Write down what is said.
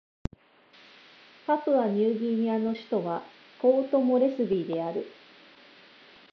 パプアニューギニアの首都はポートモレスビーである